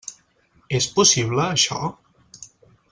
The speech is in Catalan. És possible, això?